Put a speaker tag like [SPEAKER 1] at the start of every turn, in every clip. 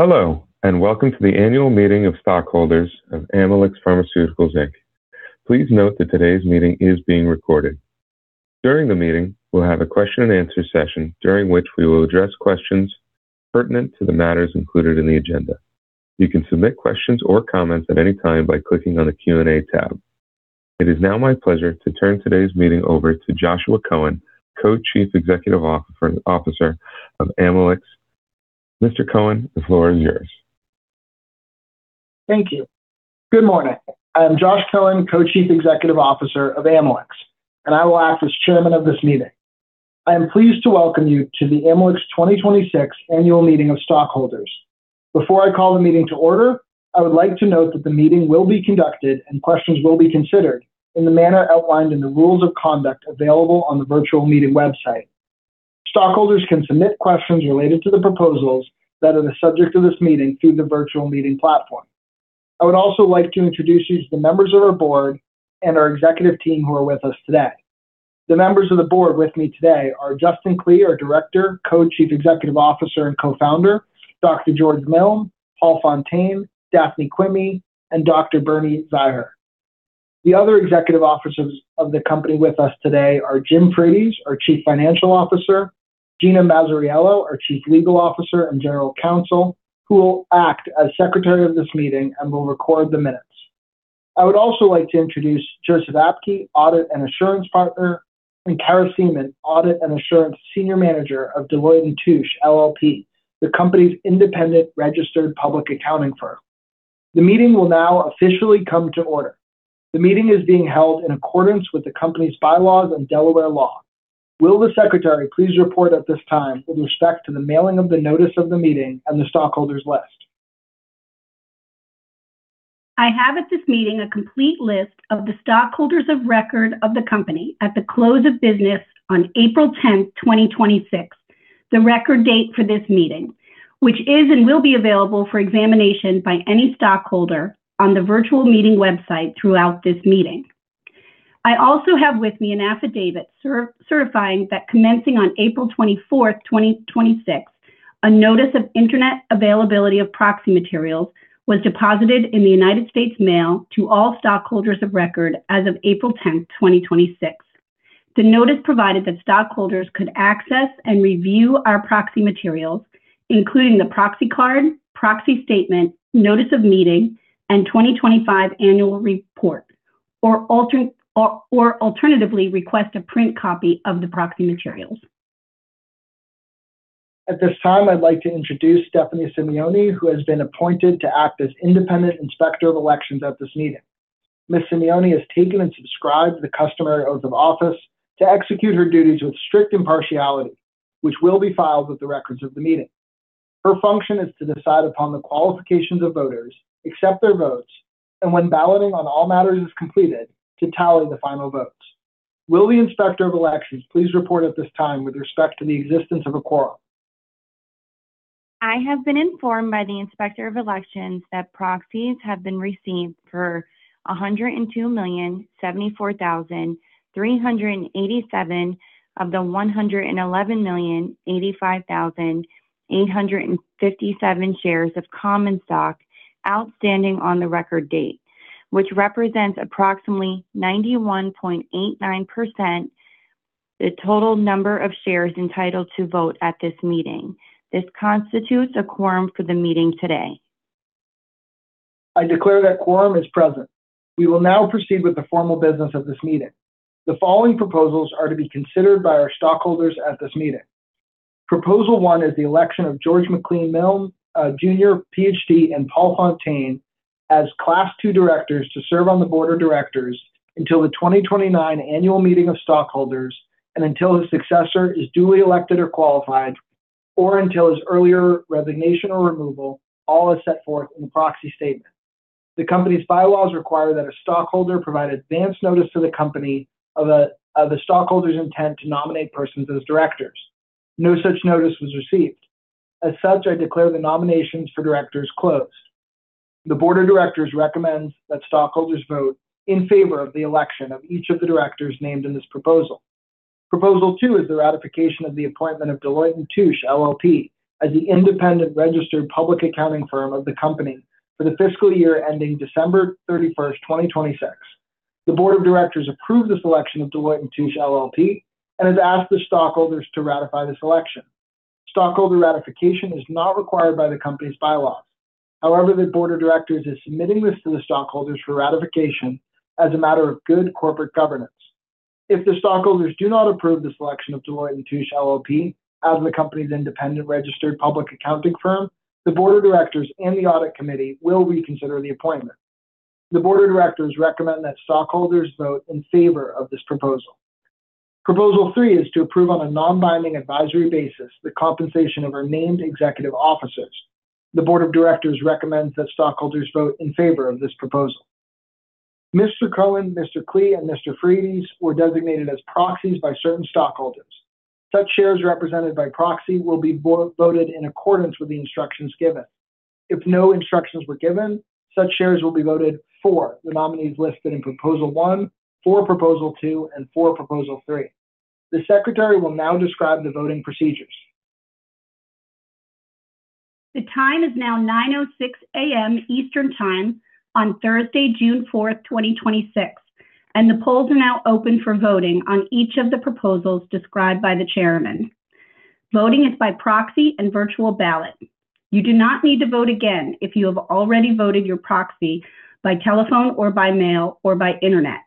[SPEAKER 1] Hello, and welcome to the annual meeting of stockholders of Amylyx Pharmaceuticals, Inc. Please note that today's meeting is being recorded. During the meeting, we'll have a question-and-answer session during which we will address questions pertinent to the matters included in the agenda. You can submit questions or comments at any time by clicking on the Q&A tab. It is now my pleasure to turn today's meeting over to Joshua Cohen, Co-Chief Executive Officer of Amylyx. Mr. Cohen, the floor is yours.
[SPEAKER 2] Thank you. Good morning. I am Josh Cohen, Co-Chief Executive Officer of Amylyx, I will act as chairman of this meeting. I am pleased to welcome you to the Amylyx 2026 Annual Meeting of Stockholders. Before I call the meeting to order, I would like to note that the meeting will be conducted and questions will be considered in the manner outlined in the rules of conduct available on the virtual meeting website. Stockholders can submit questions related to the proposals that are the subject of this meeting through the virtual meeting platform. I would also like to introduce you to the members of our Board and our Executive team who are with us today. The members of the board with me today are Justin Klee, our Director, Co-Chief Executive Officer, and Co-founder, Dr. George Milne, Paul Fonteyne, Daphne Quimi, and Dr. Bernhardt Zeiher. The other executive officers of the company with us today are James Frates, our Chief Financial Officer, Gina Mazzariello, our Chief Legal Officer and General Counsel, who will act as Secretary of this meeting and will record the minutes. I would also like to introduce Joseph Apke, Audit and Assurance Partner, and Kara Seamon, Audit and Assurance Senior Manager of Deloitte & Touche LLP, the company's independent registered public accounting firm. The meeting will now officially come to order. The meeting is being held in accordance with the company's bylaws and Delaware law. Will the secretary please report at this time with respect to the mailing of the notice of the meeting and the stockholders list?
[SPEAKER 3] I have at this meeting a complete list of the stockholders of record of the company at the close of business on April 10, 2026, the record date for this meeting, which is and will be available for examination by any stockholder on the virtual meeting website throughout this meeting. I also have with me an affidavit certifying that commencing on April 24, 2026, a notice of Internet availability of proxy materials was deposited in the United States mail to all stockholders of record as of April 10, 2026. The notice provided that stockholders could access and review our proxy materials, including the proxy card, proxy statement, notice of meeting, and 2025 annual report, or alternatively, request a print copy of the proxy materials.
[SPEAKER 2] At this time, I'd like to introduce Stephanie Simeone, who has been appointed to act as Independent Inspector of Elections at this meeting. Ms. Simeone has taken and subscribed the customary oaths of office to execute her duties with strict impartiality, which will be filed with the records of the meeting. Her function is to decide upon the qualifications of voters, accept their votes, and when balloting on all matters is completed, to tally the final votes. Will the Inspector of Elections please report at this time with respect to the existence of a quorum?
[SPEAKER 3] I have been informed by the Inspector of Elections that proxies have been received for 102,074,387 of the 111,085,857 shares of common stock outstanding on the record date, which represents approximately 91.89% the total number of shares entitled to vote at this meeting. This constitutes a quorum for the meeting today.
[SPEAKER 2] I declare that quorum is present. We will now proceed with the formal business of this meeting. The following proposals are to be considered by our stockholders at this meeting. Proposal one is the election of George McLean Milne, Jr., PhD, and Paul Fonteyne as Class II Directors to serve on the Board of Directors until the 2029 Annual Meeting of Stockholders, and until his successor is duly elected or qualified, or until his earlier resignation or removal, all as set forth in the proxy statement. The company's bylaws require that a stockholder provide advance notice to the company of the stockholder's intent to nominate persons as Directors. No such notice was received. As such, I declare the nominations for directors closed. The board of directors recommends that stockholders vote in favor of the election of each of the directors named in this proposal. Proposal two is the ratification of the appointment of Deloitte & Touche LLP as the independent registered public accounting firm of the company for the fiscal year ending December 31, 2026. The Board of Directors approved the selection of Deloitte & Touche LLP and has asked the stockholders to ratify the selection. Stockholder ratification is not required by the company's bylaws. However, the Board of Directors is submitting this to the stockholders for ratification as a matter of good corporate governance. If the stockholders do not approve the selection of Deloitte & Touche LLP as the company's independent registered public accounting firm, the board of directors and the audit committee will reconsider the appointment. The Board of Directors recommend that stockholders vote in favor of this proposal. Proposal three is to approve on a non-binding advisory basis the compensation of our named executive officers. The Board of Directors recommends that stockholders vote in favor of this proposal. Mr. Cohen, Mr. Klee, and Mr. Frates were designated as proxies by certain stockholders. Such shares represented by proxy will be voted in accordance with the instructions given. If no instructions were given, such shares will be voted for the nominees listed in proposal one, for proposal two, and for proposal three. The Secretary will now describe the voting procedures.
[SPEAKER 3] The time is now 9:06 A.M. Eastern Time on Thursday, June 4, 2026. The polls are now open for voting on each of the proposals described by the Chairman. Voting is by proxy and virtual ballot. You do not need to vote again if you have already voted your proxy by telephone or by mail, or by internet.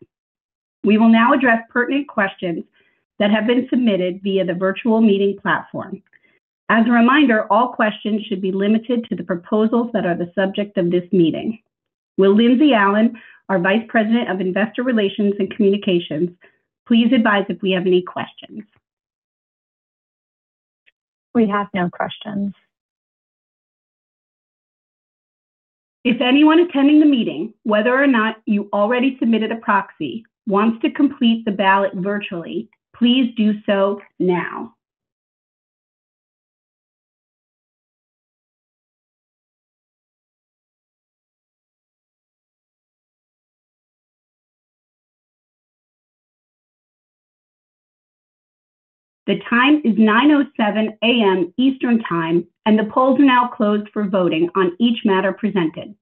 [SPEAKER 3] We will now address pertinent questions that have been submitted via the virtual meeting platform. As a reminder, all questions should be limited to the proposals that are the subject of this meeting. Will Lindsey Allen, our Vice President of Investor Relations and Communications, please advise if we have any questions?
[SPEAKER 4] We have no questions.
[SPEAKER 3] If anyone attending the meeting, whether or not you already submitted a proxy, wants to complete the ballot virtually, please do so now. The time is 9:07 A.M. Eastern Time, and the polls are now closed for voting on each matter presented.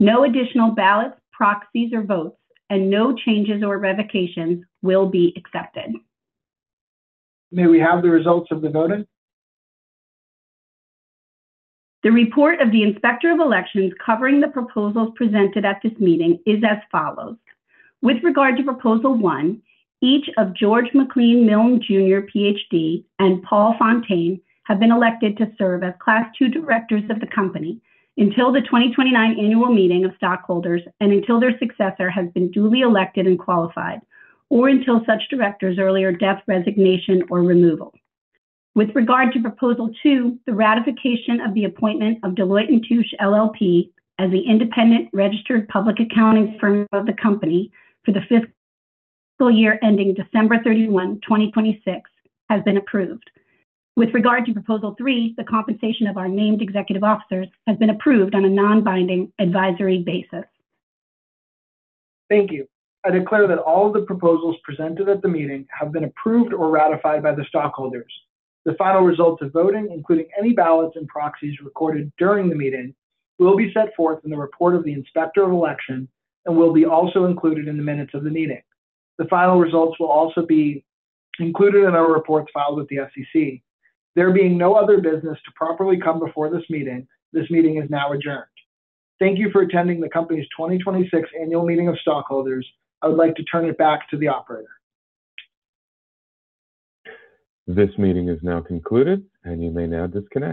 [SPEAKER 3] No additional ballots, proxies, or votes, and no changes or revocations will be accepted.
[SPEAKER 2] May we have the results of the voting?
[SPEAKER 3] The report of the Inspector of Elections covering the proposals presented at this meeting is as follows. With regard to proposal one, each of George McLean Milne Jr. PhD, and Paul Fonteyne, have been elected to serve as class II Directors of the company until the 2029 Annual Meeting of Stockholders and until their successor has been duly elected and qualified, or until such Director's earlier death, resignation, or removal. With regard to proposal two, the ratification of the appointment of Deloitte & Touche LLP as the independent registered public accounting firm of the company for the fiscal year ending December 31, 2026, has been approved. With regard to proposal three, the compensation of our named executive officers has been approved on a non-binding advisory basis.
[SPEAKER 2] Thank you. I declare that all of the proposals presented at the meeting have been approved or ratified by the stockholders. The final results of voting, including any ballots and proxies recorded during the meeting, will be set forth in the report of the Inspector of Election and will be also included in the minutes of the meeting. The final results will also be included in our reports filed with the SEC. There being no other business to properly come before this meeting, this meeting is now adjourned. Thank you for attending the company's 2026 Annual Meeting of Stockholders. I would like to turn it back to the operator.
[SPEAKER 1] This meeting is now concluded, and you may now disconnect.